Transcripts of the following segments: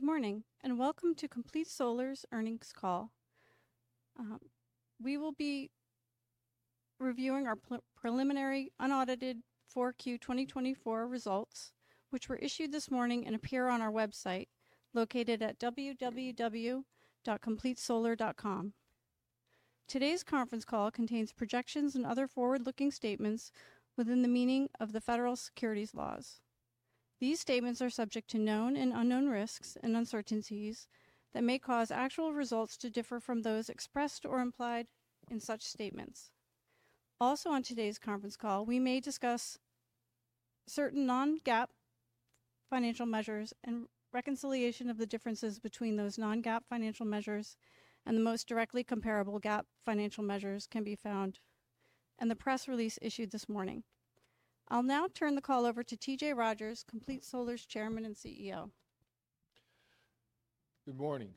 Good morning, and welcome to Complete Solar's earnings call. We will be reviewing our preliminary unaudited 4Q 2024 results, which were issued this morning and appear on our website located at www.completesolar.com. Today's conference call contains projections and other forward-looking statements within the meaning of the federal securities laws. These statements are subject to known and unknown risks and uncertainties that may cause actual results to differ from those expressed or implied in such statements. Also, on today's conference call, we may discuss certain non-GAAP financial measures and reconciliation of the differences between those non-GAAP financial measures and the most directly comparable GAAP financial measures can be found in the press release issued this morning. I'll now turn the call over to T.J. Rodgers, Complete Solar's Chairman and CEO. Good morning.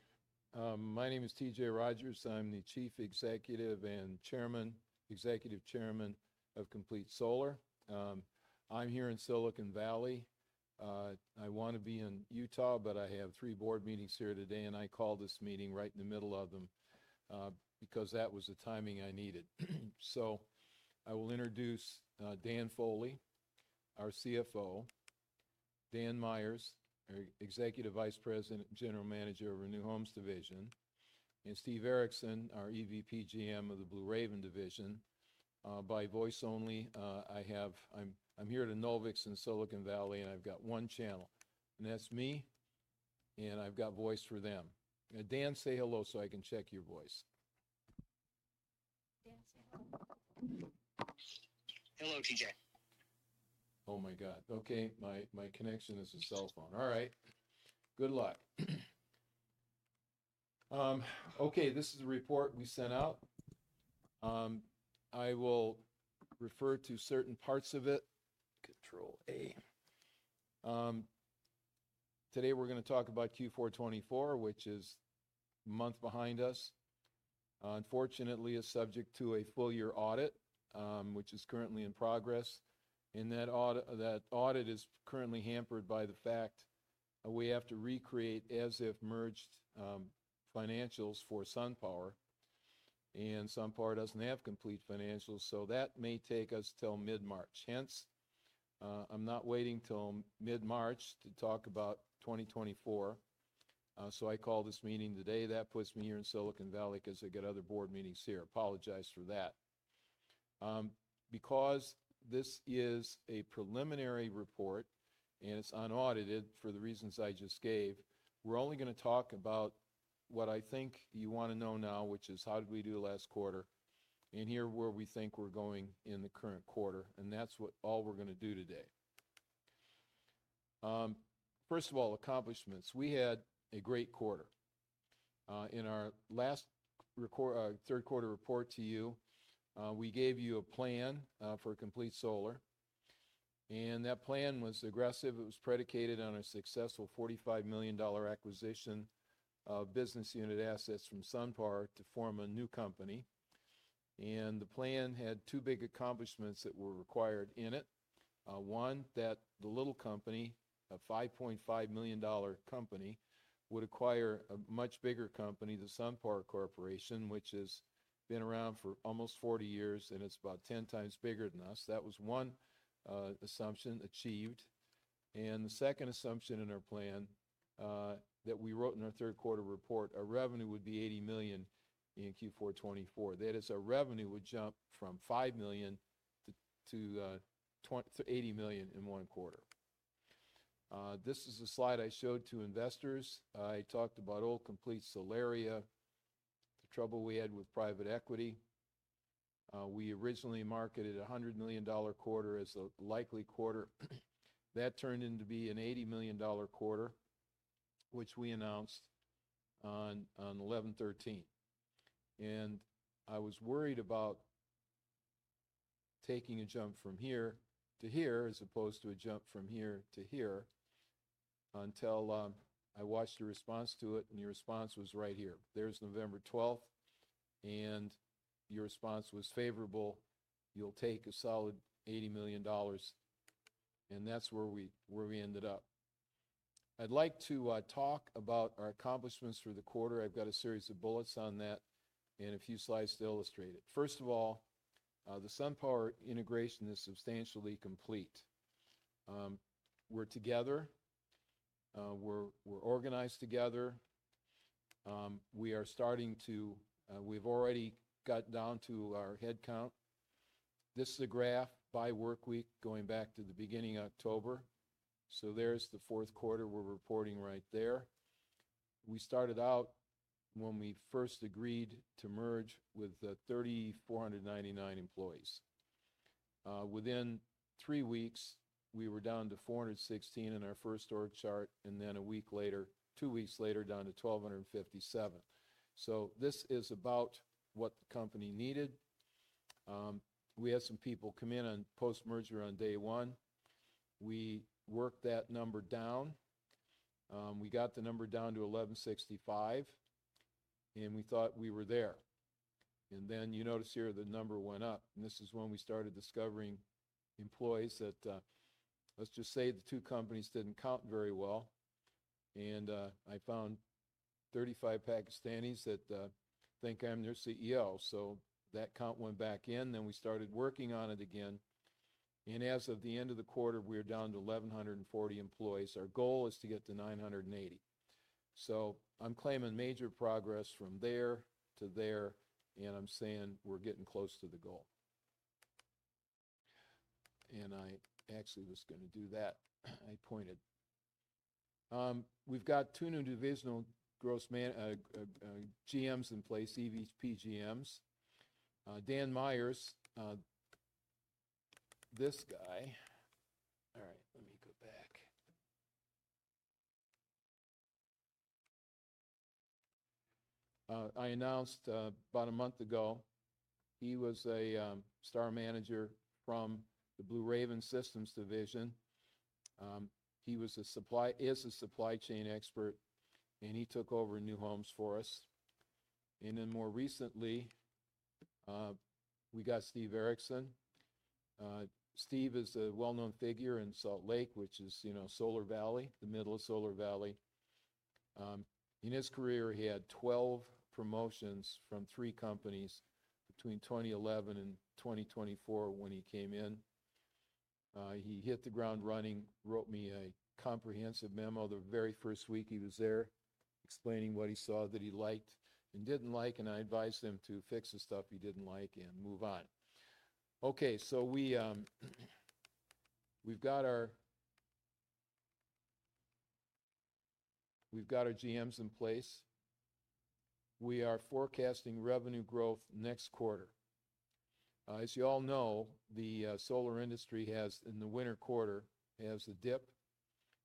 My name is T.J. Rodgers. I'm the Chief Executive and Chairman, Executive Chairman of Complete Solar. I'm here in Silicon Valley. I want to be in Utah, but I have three board meetings here today, and I called this meeting right in the middle of them because that was the timing I needed. So I will introduce Dan Foley, our CFO, Dan Myers, our Executive Vice President and General Manager of our New Homes division, and Steve Erickson, our EVP GM of the Blue Raven Division. By voice only, I have, I'm here at Enovix in Silicon Valley, and I've got one channel, and that's me, and I've got voice for them, and Dan, say hello so I can check your voice. Hello, T.J. Oh my God. Okay. My connection is a cell phone. All right. Good luck. Okay. This is the report we sent out. I will refer to certain parts of it. Control A. Today we're going to talk about Q4 2024, which is a month behind us. Unfortunately, it's subject to a full-year audit, which is currently in progress. And that audit is currently hampered by the fact that we have to recreate as-if merged financials for SunPower, and SunPower doesn't have complete financials, so that may take us until mid-March. Hence, I'm not waiting until mid-March to talk about 2024. So I called this meeting today. That puts me here in Silicon Valley because I've got other board meetings here. Apologize for that. Because this is a preliminary report and it's unaudited for the reasons I just gave, we're only going to talk about what I think you want to know now, which is how did we do last quarter and here's where we think we're going in the current quarter. And that's all we're going to do today. First of all, accomplishments. We had a great quarter. In our last third-quarter report to you, we gave you a plan for Complete Solar. And that plan was aggressive. It was predicated on a successful $45 million acquisition of business unit assets from SunPower to form a new company. And the plan had two big accomplishments that were required in it. One, that the little company, a $5.5 million company, would acquire a much bigger company, the SunPower Corporation, which has been around for almost 40 years and is about 10x bigger than us. That was one assumption achieved. And the second assumption in our plan that we wrote in our third-quarter report, our revenue would be $80 million in Q4 2024. That is, our revenue would jump from $5 million to $80 million in one quarter. This is a slide I showed to investors. I talked about old Complete Solaria, the trouble we had with private equity. We originally marketed a $100 million quarter as a likely quarter. That turned into being an $80 million quarter, which we announced on 11/13/2024. I was worried about taking a jump from here to here as opposed to a jump from here to here until I watched your response to it, and your response was right here. There's November 12th, and your response was favorable. You'll take a solid $80 million. And that's where we ended up. I'd like to talk about our accomplishments for the quarter. I've got a series of bullets on that and a few slides to illustrate it. First of all, the SunPower integration is substantially complete. We're together. We're organized together. We are starting to. We've already got down to our headcount. This is a graph by workweek going back to the beginning of October. So there's the fourth quarter we're reporting right there. We started out when we first agreed to merge with 3,499 employees. Within three weeks, we were down to 416 in our first org chart, and then a week later, two weeks later, down to 1,257, so this is about what the company needed. We had some people come in on post-merger on day one. We worked that number down. We got the number down to 1,165, and we thought we were there, and then you notice here the number went up, and this is when we started discovering employees that, let's just say, the two companies didn't count very well, and I found 35 Pakistanis that think I'm their CEO, so that count went back in, and we started working on it again, and as of the end of the quarter, we were down to 1,140 employees. Our goal is to get to 980. So I'm claiming major progress from there to there, and I'm saying we're getting close to the goal. And I actually was going to do that. I pointed. We've got two new divisional GMs in place, EVP GMs. Dan Myers, this guy, all right, let me go back. I announced about a month ago. He was a star manager from the Blue Raven Systems division. He is a supply chain expert, and he took over New Homes for us. And then more recently, we got Steve Erickson. Steve is a well-known figure in Salt Lake, which is Solar Valley, the middle of Solar Valley. In his career, he had 12 promotions from three companies between 2011 and 2024 when he came in. He hit the ground running, wrote me a comprehensive memo the very first week he was there, explaining what he saw that he liked and didn't like, and I advised him to fix the stuff he didn't like and move on. Okay. So we've got our GMs in place. We are forecasting revenue growth next quarter. As you all know, the solar industry has, in the winter quarter, a dip.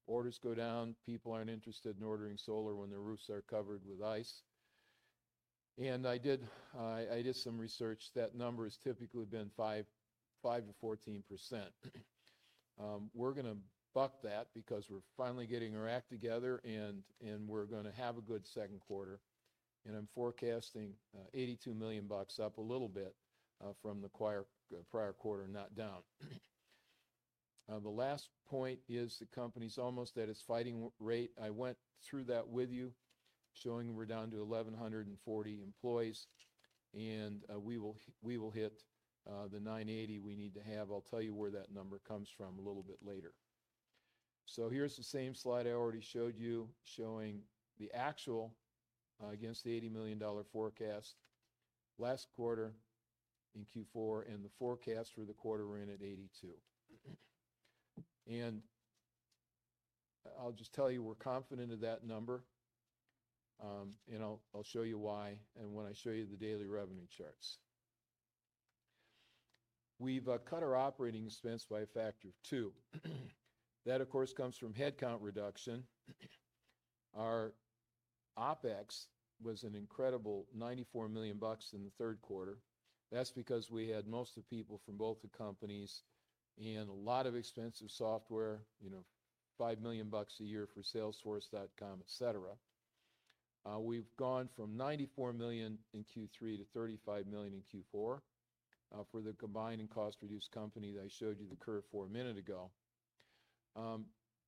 Orders go down. People aren't interested in ordering solar when their roofs are covered with ice. And I did some research. That number has typically been 5%-14%. We're going to buck that because we're finally getting our act together, and we're going to have a good second quarter. And I'm forecasting $82 million up a little bit from the prior quarter, not down. The last point is the company's almost at its fighting rate. I went through that with you, showing we're down to 1,140 employees, and we will hit the 980 we need to have. I'll tell you where that number comes from a little bit later, so here's the same slide I already showed you, showing the actual against the $80 million forecast last quarter in Q4, and the forecast for the quarter we're in at $82 million, and I'll just tell you, we're confident of that number, and I'll show you why when I show you the daily revenue charts. We've cut our operating expense by a factor of two. That, of course, comes from headcount reduction. Our OpEx was an incredible $94 million in the third quarter. That's because we had most of the people from both the companies and a lot of expensive software, $5 million a year for Salesforce.com, etc. We've gone from $94 million in Q3 to $35 million in Q4 for the combined and cost-reduced company that I showed you the curve for a minute ago.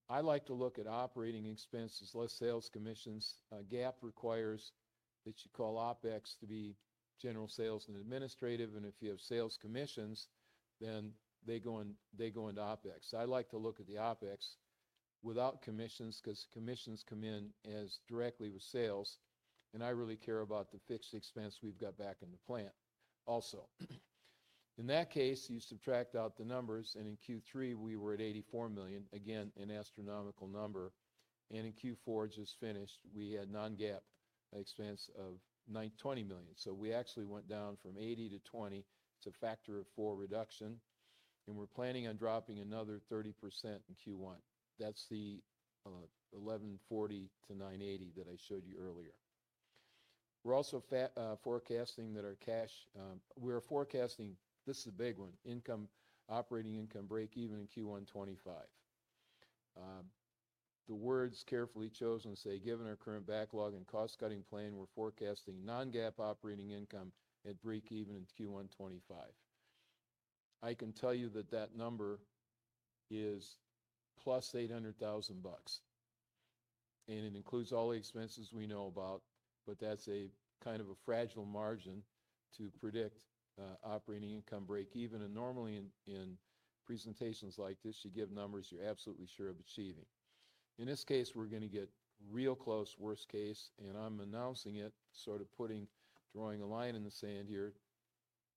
I like to look at operating expenses, less sales commissions. GAAP requires that you call OpEx to be general sales and administrative, and if you have sales commissions, then they go into OpEx. I like to look at the OpEx without commissions because commissions come in as directly with sales, and I really care about the fixed expense we've got back in the plant also. In that case, you subtract out the numbers, and in Q3, we were at $84 million, again, an astronomical number. And in Q4, just finished, we had non-GAAP expense of $20 million. So we actually went down from $80 million to $20 million. It's a factor of four reduction, and we're planning on dropping another 30% in Q1. That's the 1,140 employees-980 employees that I showed you earlier. We're also forecasting that our cash, we're forecasting, this is a big one, income, operating income break-even in Q1 2025. The words carefully chosen, say, "Given our current backlog and cost-cutting plan, we're forecasting non-GAAP operating income at break-even in Q1 2025." I can tell you that that number is $800,000+, and it includes all the expenses we know about, but that's a kind of a fragile margin to predict operating income break-even. And normally, in presentations like this, you give numbers you're absolutely sure of achieving. In this case, we're going to get real close, worst case, and I'm announcing it, sort of drawing a line in the sand here.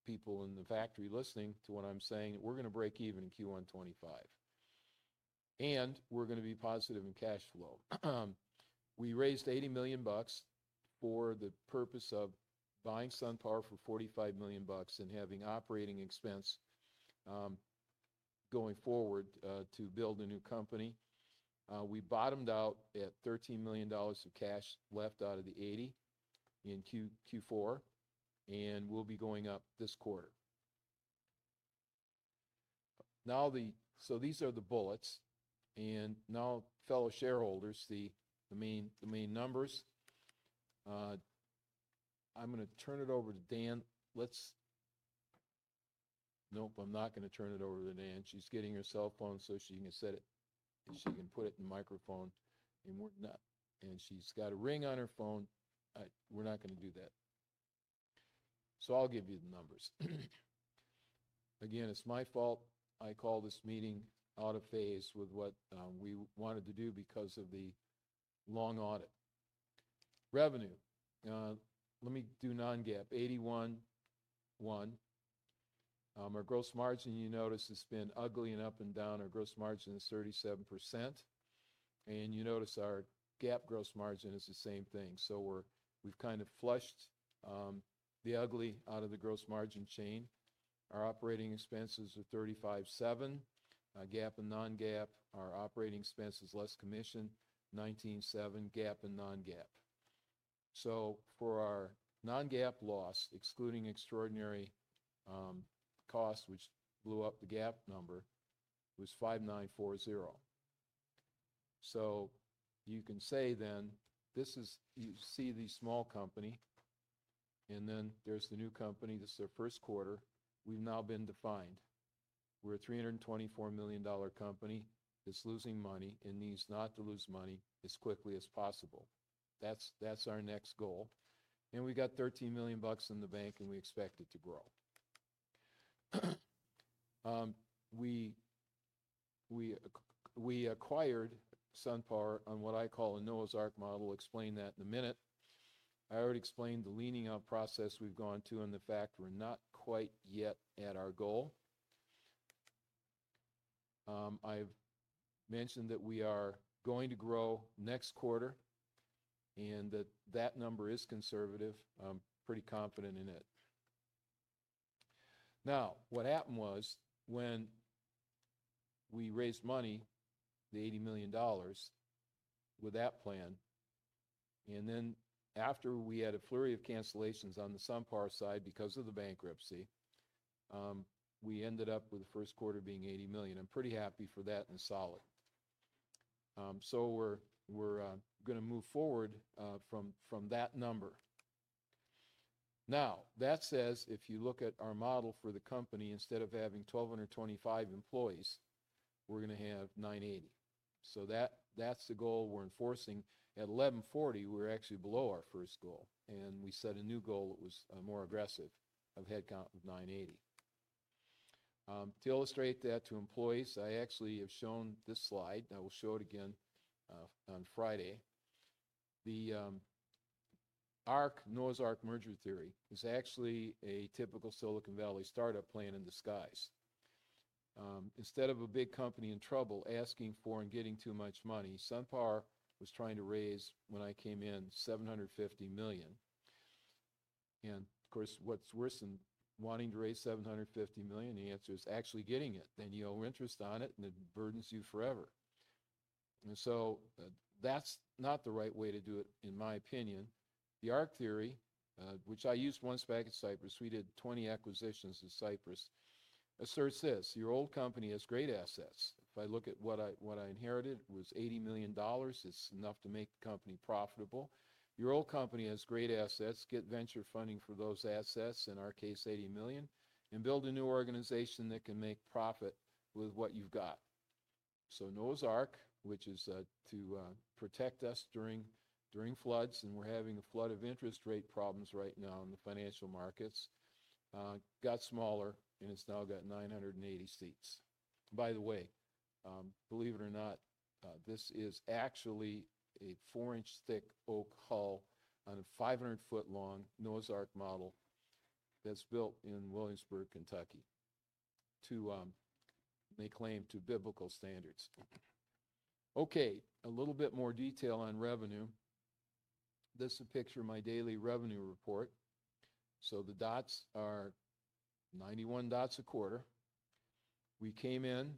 People in the factory listening to what I'm saying, we're going to break even in Q1 2025, and we're going to be positive in cash flow. We raised $80 million for the purpose of buying SunPower for $45 million and having operating expense going forward to build a new company. We bottomed out at $13 million of cash left out of the $80 million in Q4, and we'll be going up this quarter. So these are the bullets, and now, fellow shareholders, the main numbers. I'm going to turn it over to Dan. Nope, I'm not going to turn it over to Dan. She's getting her cell phone so she can set it, and she can put it in the microphone, and she's got a ring on her phone. We're not going to do that. So I'll give you the numbers. Again, it's my fault. I called this meeting out of phase with what we wanted to do because of the long audit. Revenue. Let me do non-GAAP, $81.1 million. Our gross margin, you notice, has been ugly and up and down. Our gross margin is 37%. And you notice our GAAP gross margin is the same thing. So we've kind of flushed the ugly out of the gross margin chain. Our operating expenses are $35.7 million, GAAP and non-GAAP. Our operating expenses less commission $19.7 million, GAAP and non-GAAP. So for our non-GAAP loss, excluding extraordinary costs, which blew up the GAAP number, was $5.940 million. So you can say then this is, you see the small company, and then there's the new company. This is our first quarter. We've now been defined. We're a $324 million company that's losing money and needs not to lose money as quickly as possible. That's our next goal. And we got $13 million in the bank, and we expect it to grow. We acquired SunPower on what I call a Noah's Ark model. I'll explain that in a minute. I already explained the leaning-out process we've gone to and the fact we're not quite yet at our goal. I've mentioned that we are going to grow next quarter and that that number is conservative. I'm pretty confident in it. Now, what happened was when we raised money, the $80 million with that plan, and then after we had a flurry of cancellations on the SunPower side because of the bankruptcy, we ended up with the first quarter being $80 million. I'm pretty happy for that and solid. So we're going to move forward from that number. Now, that says, if you look at our model for the company, instead of having 1,225 employees, we're going to have 980 employees. So that's the goal we're enforcing. At 1,140 employees, we're actually below our first goal, and we set a new goal that was more aggressive of headcount of 980 employees. To illustrate that to employees, I actually have shown this slide. I will show it again on Friday. The Noah's Ark merger theory is actually a typical Silicon Valley startup plan in disguise. Instead of a big company in trouble asking for and getting too much money, SunPower was trying to raise, when I came in, $750 million. And of course, what's worse than wanting to raise $750 million? The answer is actually getting it. Then you owe interest on it, and it burdens you forever. And so that's not the right way to do it, in my opinion. The Ark theory, which I used once back at Cypress, we did 20 acquisitions at Cypress, asserts this: your old company has great assets. If I look at what I inherited, it was $80 million. It's enough to make the company profitable. Your old company has great assets. Get venture funding for those assets, in our case, $80 million, and build a new organization that can make profit with what you've got. So Noah's Ark, which is to protect us during floods, and we're having a flood of interest rate problems right now in the financial markets, got smaller, and it's now got 980 seats. By the way, believe it or not, this is actually a four-inch thick oak hull on a 500-foot-long Noah's Ark model that's built in Williamsburg, Kentucky, they claim, to biblical standards. Okay. A little bit more detail on revenue. This is a picture of my daily revenue report. So the dots are 91 dots a quarter. We came in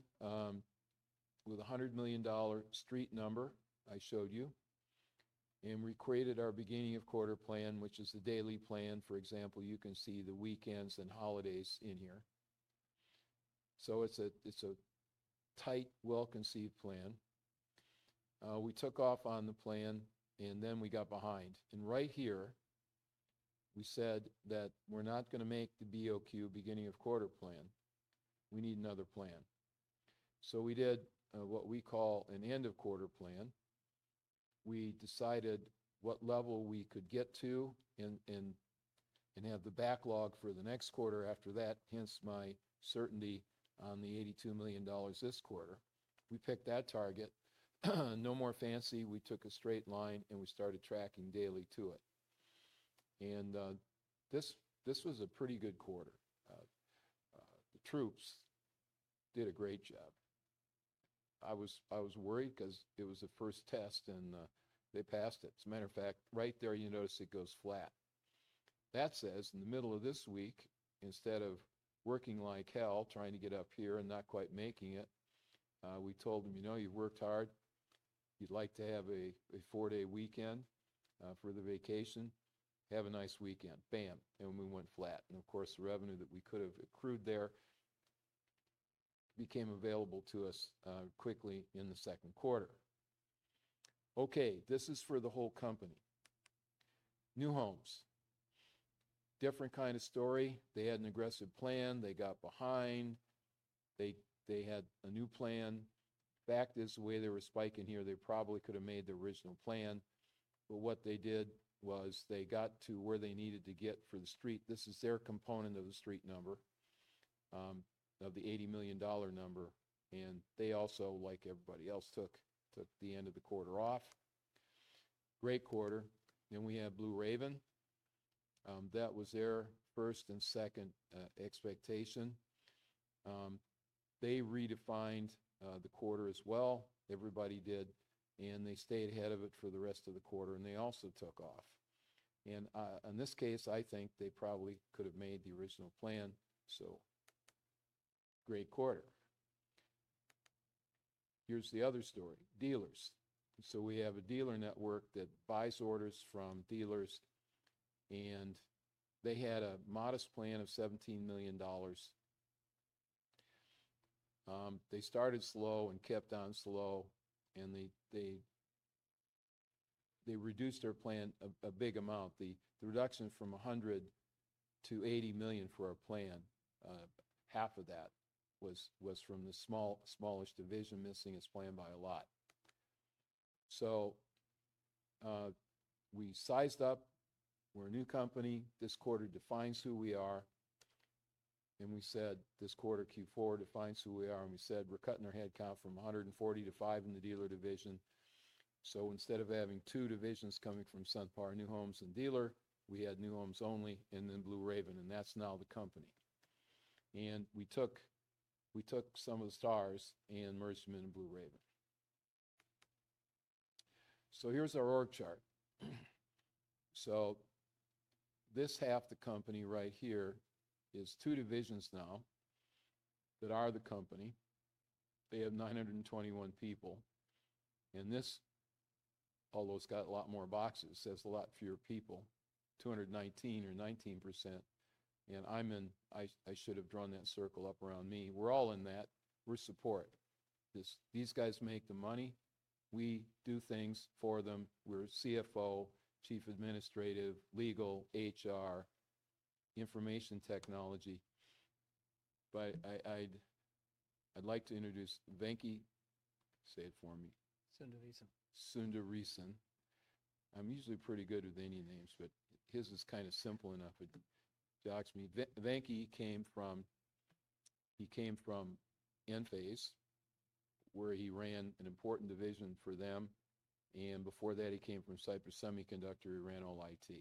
with a $100 million street number I showed you, and we created our beginning of quarter plan, which is the daily plan. For example, you can see the weekends and holidays in here. So it's a tight, well-conceived plan. We took off on the plan, and then we got behind. And right here, we said that we're not going to make the BOQ beginning of quarter plan. We need another plan. So we did what we call an end-of-quarter plan. We decided what level we could get to and have the backlog for the next quarter after that, hence my certainty on the $82 million this quarter. We picked that target. No more fancy. We took a straight line, and we started tracking daily to it. And this was a pretty good quarter. The troops did a great job. I was worried because it was the first test, and they passed it. As a matter of fact, right there, you notice it goes flat. That says, in the middle of this week, instead of working like hell, trying to get up here and not quite making it, we told them, "You know, you've worked hard. You'd like to have a four-day weekend for the vacation. Have a nice weekend." Bam. And we went flat. And of course, the revenue that we could have accrued there became available to us quickly in the second quarter. Okay. This is for the whole company. New Homes. Different kind of story. They had an aggressive plan. They got behind. They had a new plan. Back this way, they were spiking here. They probably could have made the original plan. But what they did was they got to where they needed to get for the street. This is their component of the street number of the $80 million number. And they also, like everybody else, took the end of the quarter off. Great quarter. Then we had Blue Raven. That was their first and second expectation. They redefined the quarter as well. Everybody did. And they stayed ahead of it for the rest of the quarter. And they also took off. And in this case, I think they probably could have made the original plan. So great quarter. Here's the other story. Dealers. So we have a dealer network that buys orders from dealers, and they had a modest plan of $17 million. They started slow and kept on slow, and they reduced their plan a big amount. The reduction from $100 million to $80 million for our plan, half of that was from the smallest division missing its plan by a lot. So we sized up. We're a new company. This quarter defines who we are. And we said, "This quarter, Q4, defines who we are." And we said, "We're cutting our headcount from 140 to 5 in the dealer division." So instead of having two divisions coming from SunPower, New Homes, and Dealer, we had New Homes only and then Blue Raven. And that's now the company. And we took some of the stars and merged them into Blue Raven. So here's our org chart. So this half, the company right here, is two divisions now that are the company. They have 921 people. And this, although it's got a lot more boxes, has a lot fewer people, 219 or 19%. I should have drawn that circle up around me. We're all in that. We're support. These guys make the money. We do things for them. We're CFO, Chief Administrative, Legal, HR, Information Technology. But I'd like to introduce Venki. Say it for me. Sundaresan. Sundaresan. I'm usually pretty good with any names, but his is kind of simple enough. It chokes me. Venki, he came from Enphase, where he ran an important division for them. And before that, he came from Cypress Semiconductor. He ran all IT.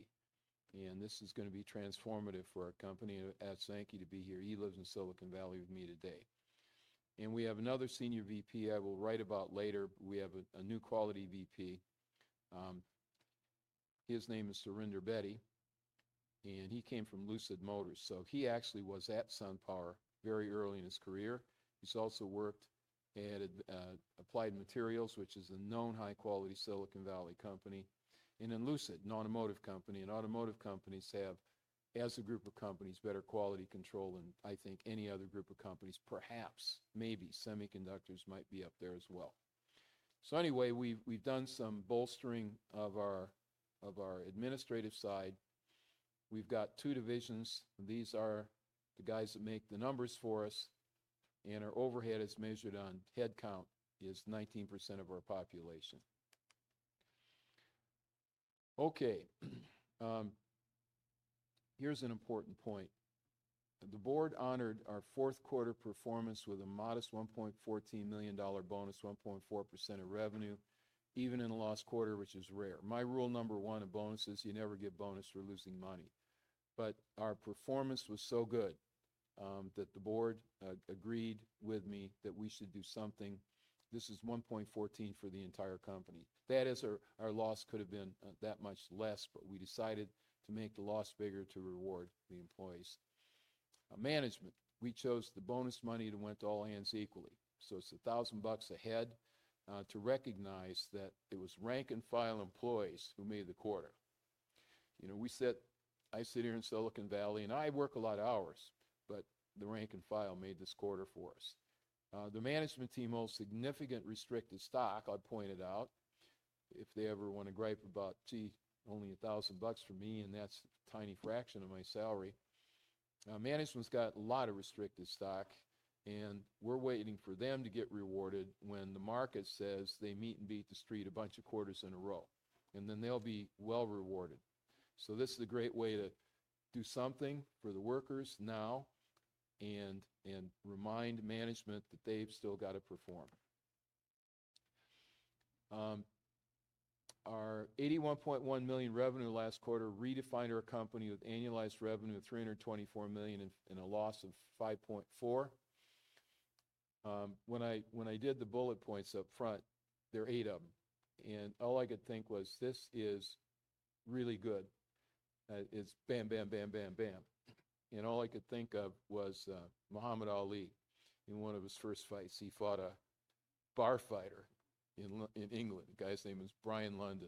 And this is going to be transformative for our company. I asked Venki to be here. He lives in Silicon Valley with me today. And we have another senior VP I will write about later. We have a new quality VP. His name is Surinder Bedi, and he came from Lucid Motors. So he actually was at SunPower very early in his career. He's also worked at Applied Materials, which is a known high-quality Silicon Valley company. And then Lucid, an automotive company. And automotive companies have, as a group of companies, better quality control than I think any other group of companies. Perhaps, maybe semiconductors might be up there as well. So anyway, we've done some bolstering of our administrative side. We've got two divisions. These are the guys that make the numbers for us. And our overhead is measured on headcount is 19% of our population. Okay. Here's an important point. The Board honored our fourth quarter performance with a modest $1.14 million bonus, 1.4% of revenue, even in the last quarter, which is rare. My rule number one of bonuses, you never get bonus for losing money. Our performance was so good that the board agreed with me that we should do something. This is $1.14 for the entire company. That is, our loss could have been that much less, but we decided to make the loss bigger to reward the employees. Management, we chose the bonus money that went to all hands equally. So it's $1,000 ahead to recognize that it was rank and file employees who made the quarter. I sit here in Silicon Valley, and I work a lot of hours, but the rank and file made this quarter for us. The management team holds significant restricted stock, I pointed out. If they ever want to gripe about, "Gee, only $1,000 for me, and that's a tiny fraction of my salary." Management's got a lot of restricted stock, and we're waiting for them to get rewarded when the market says they meet and beat the street a bunch of quarters in a row. And then they'll be well rewarded. So this is a great way to do something for the workers now and remind management that they've still got to perform. Our $81.1 million revenue last quarter redefined our company with annualized revenue of $324 million and a loss of $5.4 million. When I did the bullet points upfront, there are eight of them. And all I could think was, "This is really good. It's bam, bam, bam, bam, bam." And all I could think of was Muhammad Ali in one of his first fights. He fought a bar fighter in England. The guy's name is Brian London.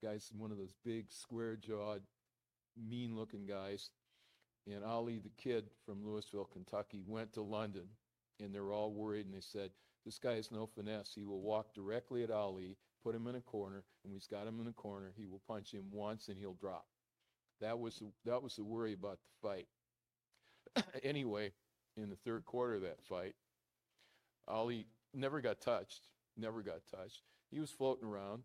The guy's one of those big, square-jawed, mean-looking guys. And Ali, the kid from Louisville, Kentucky, went to London, and they were all worried, and they said, "This guy has no finesse. He will walk directly at Ali, put him in a corner, and when he's got him in a corner, he will punch him once, and he'll drop." That was the worry about the fight. Anyway, in the third quarter of that fight, Ali never got touched, never got touched. He was floating around,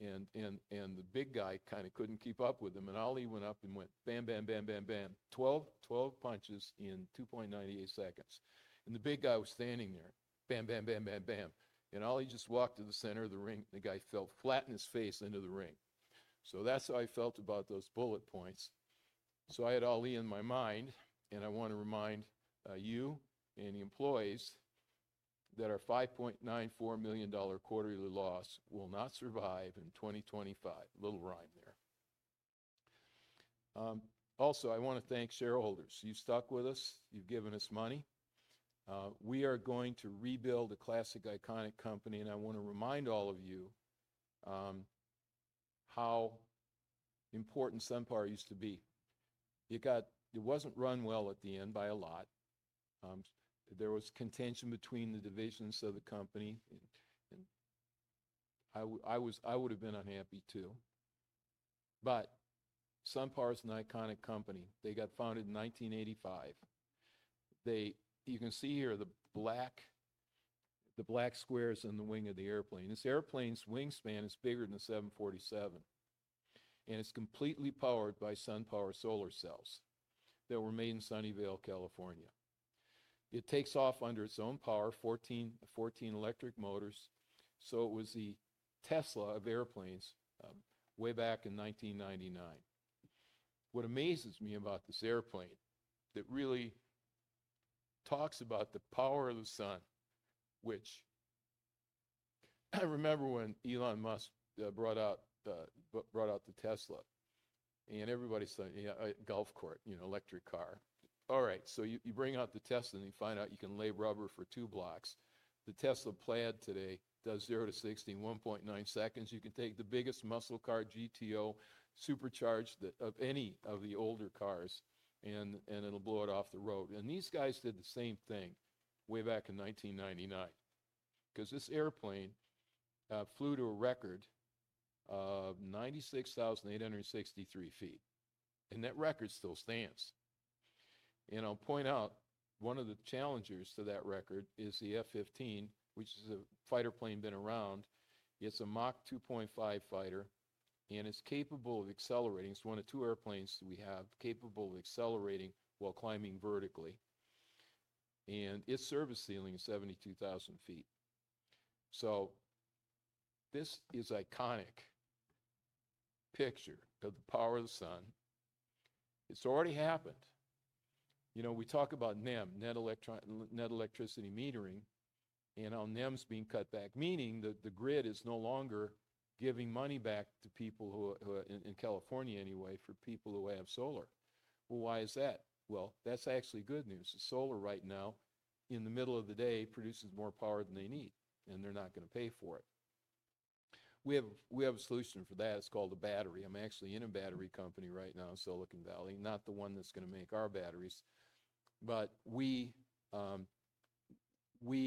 and the big guy kind of couldn't keep up with him. And Ali went up and went, "Bam, bam, bam, bam, bam." 12 punches in 2.98 seconds. The big guy was standing there, "Bam, bam, bam, bam, bam." And Ali just walked to the center of the ring, and the guy fell flat in his face into the ring. So that's how I felt about those bullet points. So I had Ali in my mind, and I want to remind you and the employees that our $5.94 million quarterly loss will not survive in 2025. Little rhyme there. Also, I want to thank shareholders. You stuck with us. You've given us money. We are going to rebuild a classic, iconic company, and I want to remind all of you how important SunPower used to be. It wasn't run well at the end by a lot. There was contention between the divisions of the company. I would have been unhappy too. But SunPower is an iconic company. They got founded in 1985. You can see here the black squares in the wing of the airplane. This airplane's wingspan is bigger than a 747, and it's completely powered by SunPower solar cells that were made in Sunnyvale, California. It takes off under its own power, 14 electric motors, so it was the Tesla of airplanes way back in 1999. What amazes me about this airplane, that really talks about the power of the sun, which I remember when Elon Musk brought out the Tesla and everybody's thinking, "golf cart, electric car." All right, so you bring out the Tesla and you find out you can lay rubber for two blocks. The Tesla Plaid today does 0 mph-60 mph in 1.9 seconds. You can take the biggest muscle car, GTO, supercharged, of any of the older cars, and it'll blow it off the road. These guys did the same thing way back in 1999 because this airplane flew to a record of 96,863 feet. That record still stands. I'll point out one of the challengers to that record is the F-15, which is a fighter plane been around. It's a Mach 2.5 fighter, and it's capable of accelerating. It's one of two airplanes we have capable of accelerating while climbing vertically. Its service ceiling is 72,000 feet. This is an iconic picture of the power of the sun. It's already happened. We talk about NEM, Net Electricity Metering, and how NEM's being cut back, meaning that the grid is no longer giving money back to people in California anyway for people who have solar. Why is that? That's actually good news. The solar right now, in the middle of the day, produces more power than they need, and they're not going to pay for it. We have a solution for that. It's called a battery. I'm actually in a battery company right now, Silicon Valley, not the one that's going to make our batteries. But we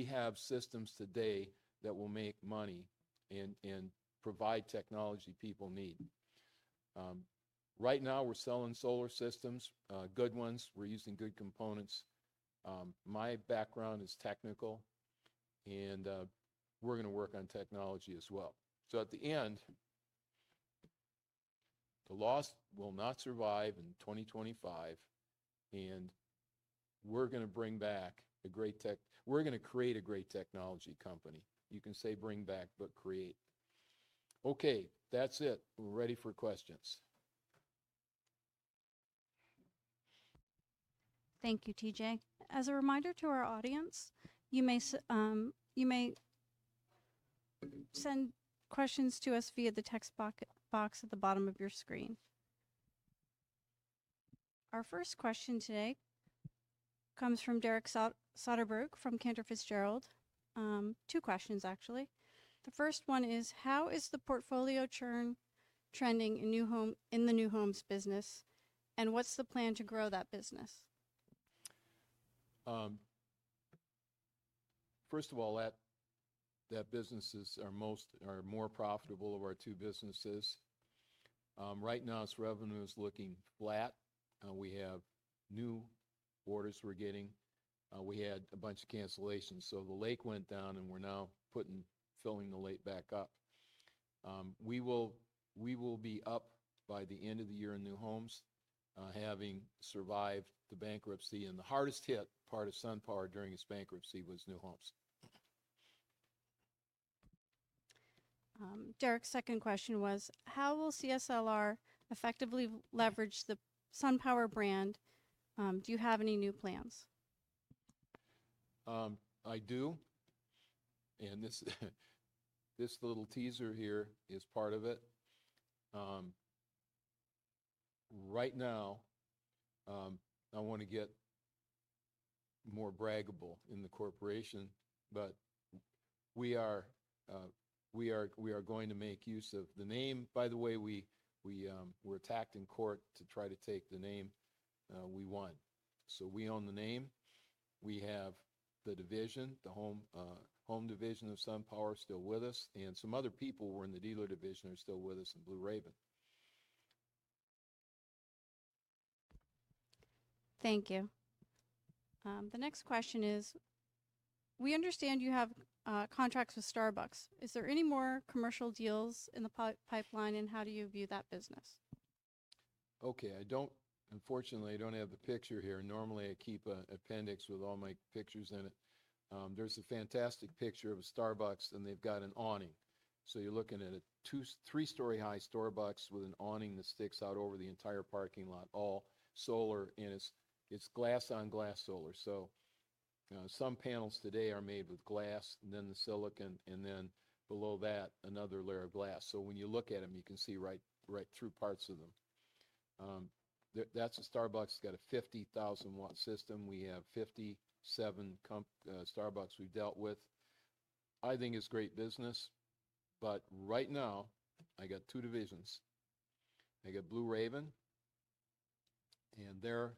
have systems today that will make money and provide technology people need. Right now, we're selling solar systems, good ones. We're using good components. My background is technical, and we're going to work on technology as well. So at the end, the loss will not survive in 2025, and we're going to bring back a great tech, we're going to create a great technology company. You can say bring back, but create. Okay. That's it. We're ready for questions. Thank you, T.J. As a reminder to our audience, you may send questions to us via the text box at the bottom of your screen. Our first question today comes from Derek Soderberg from Cantor Fitzgerald. Two questions, actually. The first one is, how is the portfolio trending in the New Homes business, and what's the plan to grow that business? First of all, that businesses are more profitable of our two businesses. Right now, revenue is looking flat. We have new orders we're getting. We had a bunch of cancellations. So the lake went down, and we're now filling the lake back up. We will be up by the end of the year in New Homes, having survived the bankruptcy, and the hardest hit part of SunPower during its bankruptcy was New Homes. Derek's second question was, how will CSLR effectively leverage the SunPower brand? Do you have any new plans? I do, and this little teaser here is part of it. Right now, I want to get more braggable in the corporation, but we are going to make use of the name. By the way, we were attacked in court to try to take the name. We won. So we own the name. We have the division, the Home division of SunPower still with us, and some other people who were in the Dealer division are still with us in Blue Raven. Thank you. The next question is, we understand you have contracts with Starbucks. Is there any more commercial deals in the pipeline, and how do you view that business? Okay. Unfortunately, I don't have the picture here. Normally, I keep an appendix with all my pictures in it. There's a fantastic picture of a Starbucks, and they've got an awning. You're looking at a three-story high Starbucks with an awning that sticks out over the entire parking lot, all solar. It's glass-on-glass solar. Some panels today are made with glass, and then the silicon, and then below that, another layer of glass. When you look at them, you can see right through parts of them. That's a Starbucks that's got a 50,000-watt system. We have 57 Starbucks we've dealt with. I think it's great business. Right now, I got two divisions. I got Blue Raven, and they're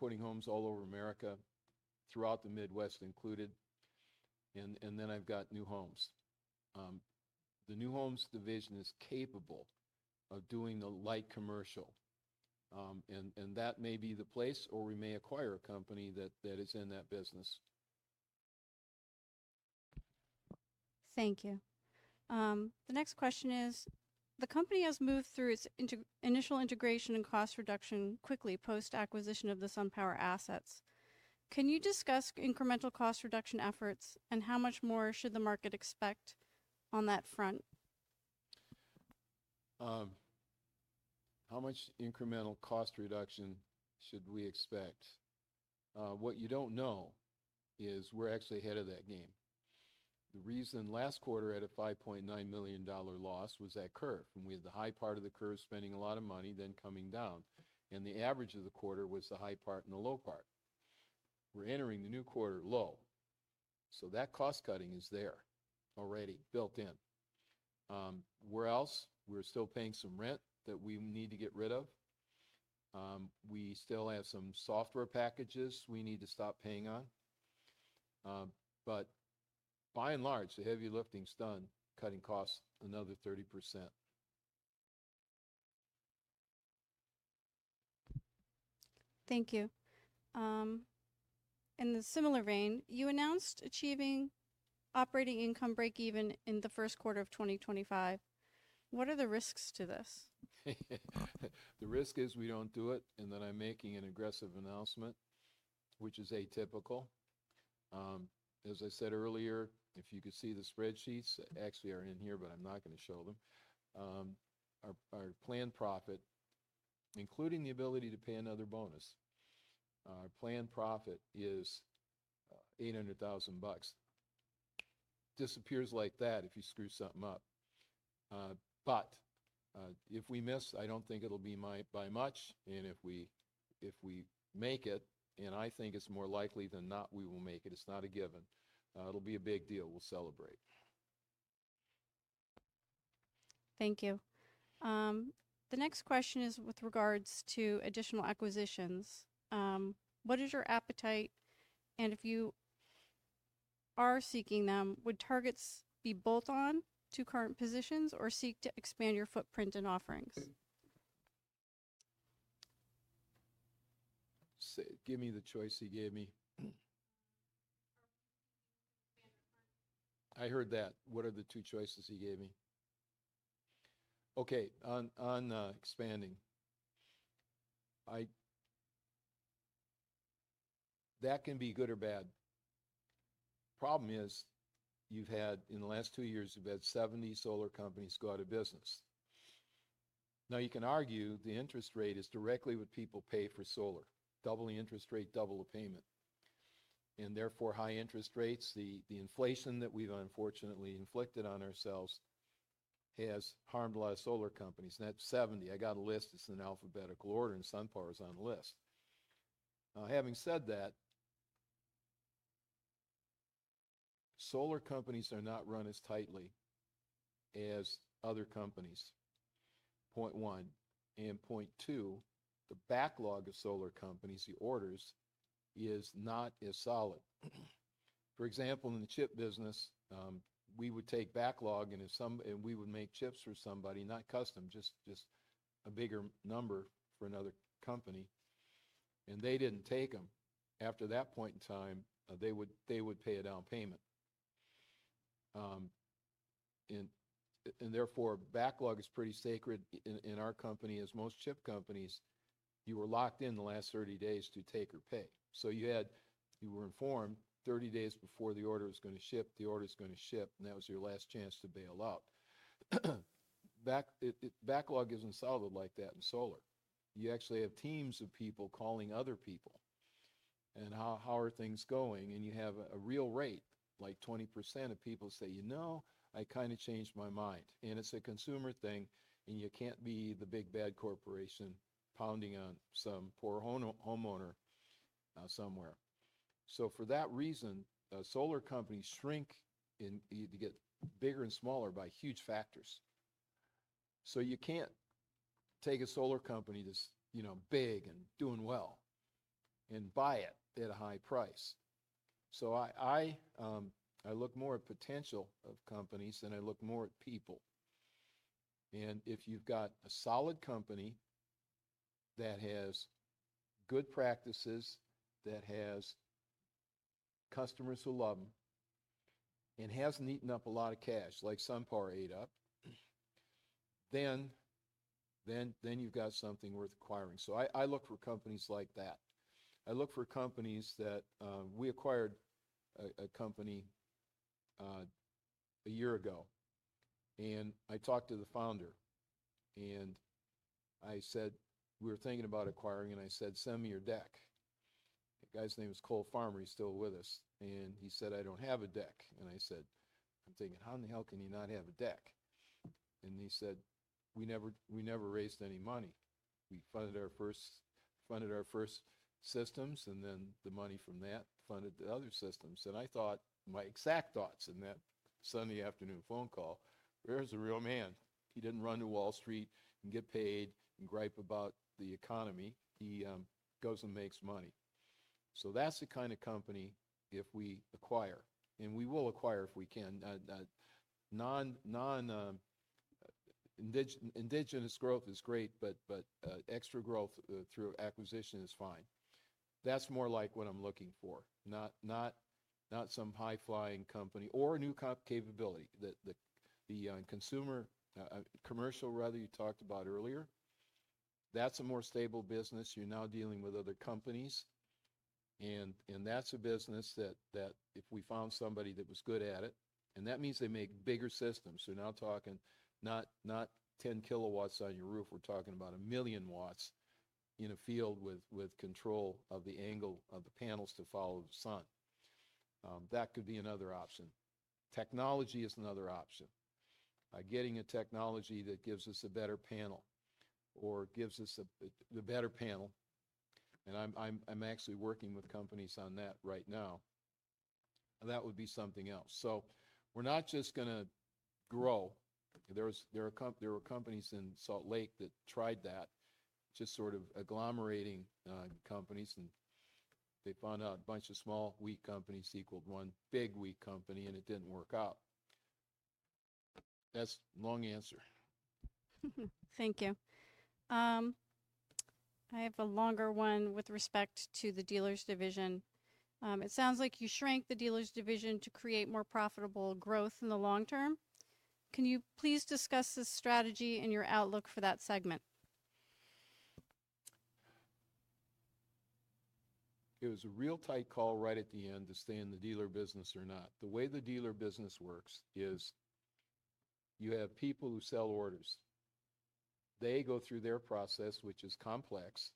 putting homes all over America, throughout the Midwest included. I've got New Homes. The New Homes division is capable of doing the light commercial. That may be the place, or we may acquire a company that is in that business. Thank you. The next question is, the company has moved through its initial integration and cost reduction quickly post-acquisition of the SunPower assets. Can you discuss incremental cost reduction efforts, and how much more should the market expect on that front? How much incremental cost reduction should we expect? What you don't know is we're actually ahead of that game. The reason last quarter had a $5.9 million loss was that curve. And we had the high part of the curve spending a lot of money, then coming down. And the average of the quarter was the high part and the low part. We're entering the new quarter low. So that cost cutting is there already built in. Where else? We're still paying some rent that we need to get rid of. We still have some software packages we need to stop paying on. But by and large, the heavy lifting's done, cutting costs another 30%. Thank you. In the similar vein, you announced achieving operating income break-even in the first quarter of 2025. What are the risks to this? The risk is we don't do it, and then I'm making an aggressive announcement, which is atypical. As I said earlier, if you could see the spreadsheets, they actually are in here, but I'm not going to show them. Our planned profit, including the ability to pay another bonus, our planned profit is $800,000. Disappears like that if you screw something up. But if we miss, I don't think it'll be by much. And if we make it, and I think it's more likely than not we will make it. It's not a given. It'll be a big deal. We'll celebrate. Thank you. The next question is with regards to additional acquisitions. What is your appetite? And if you are seeking them, would targets be both on two current positions or seek to expand your footprint and offerings? Give me the choice he gave me. I heard that. What are the two choices he gave me? Okay. On expanding, that can be good or bad. Problem is, in the last two years, we've had 70 solar companies go out of business. Now, you can argue the interest rate is directly what people pay for solar: double the interest rate, double the payment. And therefore, high interest rates, the inflation that we've unfortunately inflicted on ourselves has harmed a lot of solar companies. And that's 70 solar companies. I got a list. It's in alphabetical order, and SunPower is on the list. Having said that, solar companies are not run as tightly as other companies, point one. Point two, the backlog of solar companies, the orders, is not as solid. For example, in the chip business, we would take backlog, and we would make chips for somebody, not custom, just a bigger number for another company. And they didn't take them. After that point in time, they would pay a down payment. And therefore, backlog is pretty sacred in our company. As most chip companies, you were locked in the last 30 days to take or pay. So you were informed 30 days before the order was going to ship, the order's going to ship, and that was your last chance to bail out. Backlog isn't solid like that in solar. You actually have teams of people calling other people, and how are things going? You have a real rate, like 20% of people say, "No, I kind of changed my mind." It's a consumer thing, and you can't be the big bad corporation pounding on some poor homeowner somewhere. Solar companies shrink to get bigger and smaller by huge factors for that reason. You can't take a solar company that's big and doing well and buy it at a high price. I look more at potential of companies than I look more at people. If you've got a solid company that has good practices, that has customers who love them, and hasn't eaten up a lot of cash, like SunPower ate up, then you've got something worth acquiring. I look for companies like that. I look for companies that we acquired a company a year ago. I talked to the founder, and I said, "We were thinking about acquiring," and I said, "Send me your deck." The guy's name is Cole Farmer. He's still with us. He said, "I don't have a deck." I said, "I'm thinking, how in the hell can you not have a deck?" He said, "We never raised any money. We funded our first systems, and then the money from that funded the other systems." I thought my exact thoughts in that Sunday afternoon phone call, there's a real man. He didn't run to Wall Street and get paid and gripe about the economy. He goes and makes money. That's the kind of company if we acquire. We will acquire if we can. That non-indigenous growth is great, but extra growth through acquisition is fine. That's more like what I'm looking for, not some high-flying company or new capability. The commercial, rather, you talked about earlier. That's a more stable business. You're now dealing with other companies. And that's a business that if we found somebody that was good at it, and that means they make bigger systems. So now talking not 10 kW on your roof, we're talking about a million watts in a field with control of the angle of the panels to follow the sun. That could be another option. Technology is another option. Getting a technology that gives us a better panel or gives us the better panel. And I'm actually working with companies on that right now. That would be something else. So we're not just going to grow. There were companies in Salt Lake that tried that, just sort of agglomerating companies. They found out a bunch of small wheat companies equaled one big wheat company, and it didn't work out. That's a long answer. Thank you. I have a longer one with respect to the Dealers Division. It sounds like you shrank the Dealers Division to create more profitable growth in the long term. Can you please discuss the strategy and your outlook for that segment? It was a real tight call right at the end to stay in the dealer business or not. The way the dealer business works is you have people who sell orders. They go through their process, which is complex,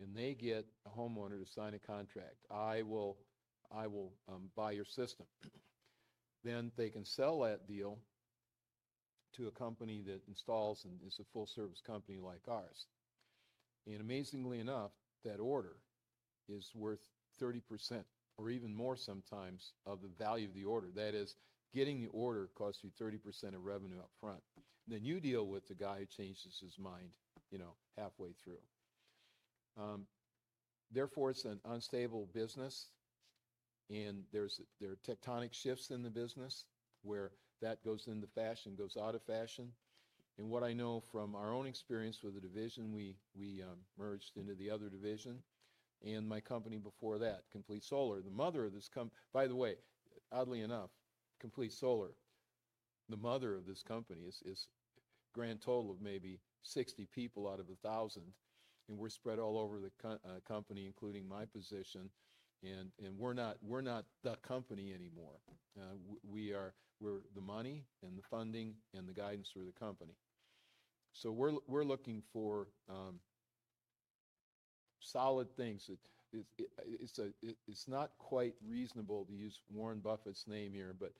and they get a homeowner to sign a contract. "I will buy your system." Then they can sell that deal to a company that installs and is a full-service company like ours. And amazingly enough, that order is worth 30% or even more sometimes of the value of the order. That is, getting the order costs you 30% of revenue upfront. Then you deal with the guy who changes his mind halfway through. Therefore, it's an unstable business, and there are tectonic shifts in the business where that goes into fashion, goes out of fashion. And what I know from our own experience with the division, we merged into the other division, and my company before that, Complete Solar, the mother of this company. By the way, oddly enough, Complete Solar, the mother of this company, is a grand total of maybe 60 people out of 1,000. And we're spread all over the company, including my position. And we're not the company anymore. We're the money and the funding and the guidance for the company. So we're looking for solid things. It's not quite reasonable to use Warren Buffett's name here, but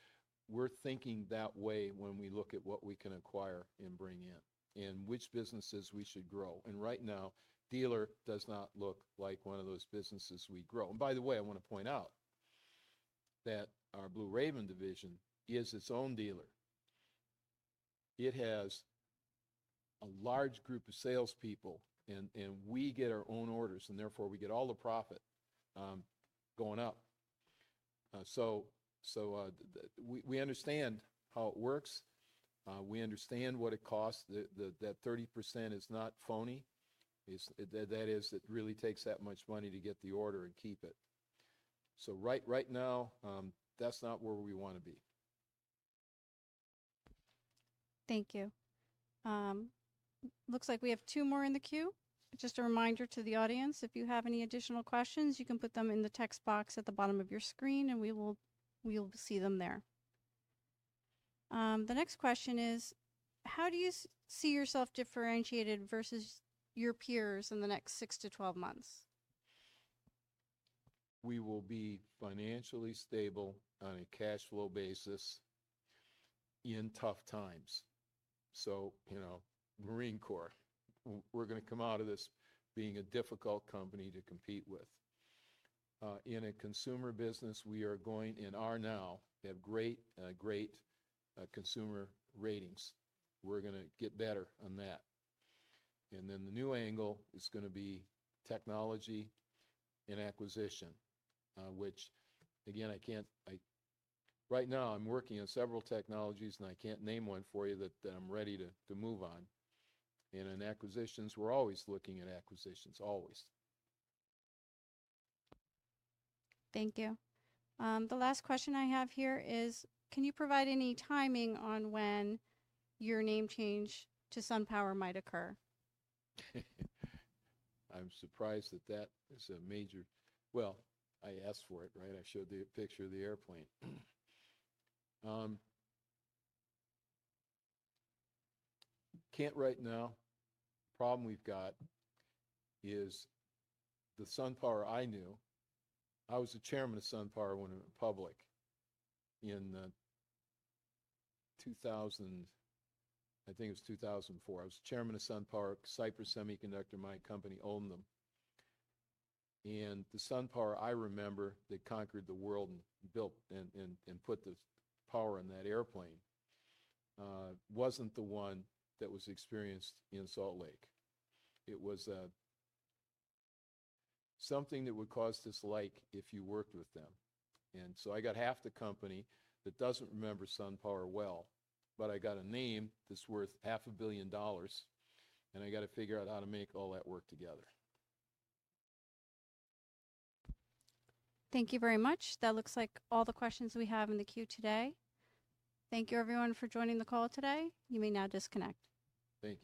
we're thinking that way when we look at what we can acquire and bring in and which businesses we should grow. And right now, dealer does not look like one of those businesses we grow. And by the way, I want to point out that our Blue Raven Division is its own dealer. It has a large group of salespeople, and we get our own orders, and therefore, we get all the profit going up. So we understand how it works. We understand what it costs. That 30% is not phony. That is, it really takes that much money to get the order and keep it. So right now, that's not where we want to be. Thank you. Looks like we have two more in the queue. Just a reminder to the audience, if you have any additional questions, you can put them in the text box at the bottom of your screen, and we will see them there. The next question is, how do you see yourself differentiated versus your peers in the next 6 months-12 months? We will be financially stable on a cash flow basis in tough times. So Marine Corps, we're going to come out of this being a difficult company to compete with. In a consumer business, we are going in our now, we have great, great consumer ratings. We're going to get better on that. And then the new angle is going to be technology and acquisition, which, again, I can't right now, I'm working on several technologies, and I can't name one for you that I'm ready to move on. And in acquisitions, we're always looking at acquisitions, always. Thank you. The last question I have here is, can you provide any timing on when your name change to SunPower might occur? I'm surprised that that is a major, well, I asked for it, right? I showed the picture of the airplane. Can't right now. The problem we've got is the SunPower I knew. I was the Chairman of SunPower when it went public in 2000. I think it was 2004. I was the Chairman of SunPower, Cypress Semiconductor, my company owned them. And the SunPower I remember that conquered the world and built and put the power on that airplane wasn't the one that was experienced in Salt Lake. It was something that would cause dislike if you worked with them. And so I got half the company that doesn't remember SunPower well, but I got a name that's worth $500 million, and I got to figure out how to make all that work together. Thank you very much. That looks like all the questions we have in the queue today. Thank you, everyone, for joining the call today. You may now disconnect. Thank you.